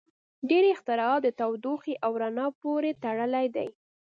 • ډیری اختراعات د تودوخې او رڼا پورې تړلي دي.